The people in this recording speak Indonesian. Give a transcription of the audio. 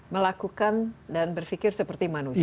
melakukan dan berpikir seperti manusia